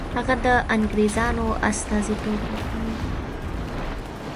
هغه د انګرېزانو استازیتوب وکړي.